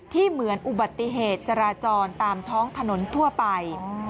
เหมือนอุบัติเหตุจราจรตามท้องถนนทั่วไป